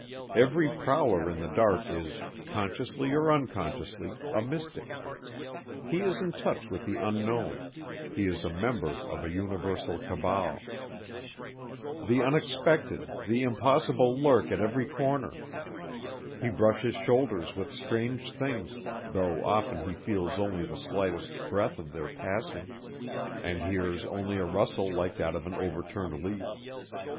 Every prowler in the dark is, consciously or unconsciously, a mystic. He is in touch with the unknown; he is a member of a universal cabal. The unexpected, the impossible lurk at every corner. He brushes shoulders with strange things, though often he feels only the lightest breath of their passing, and hears only a rustle like that of an overturned leaf.